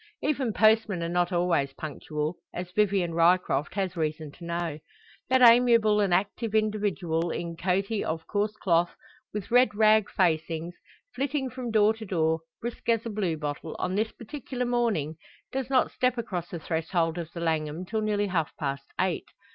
Even postmen are not always punctual, as Vivian Ryecroft has reason to know. That amiable and active individual in coatee of coarse cloth, with red rag facings, flitting from door to door, brisk as a blue bottle, on this particular morning does not step across the threshold of the Langham till nearly half past eight.